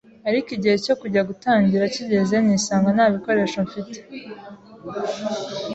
ariko igihe cyo kujya gutangira kigeze nisanga nta bikoresho mfite